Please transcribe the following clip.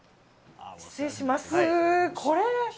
失礼します。